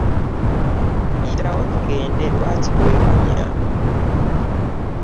Yitawo tugende lwaki weekunya?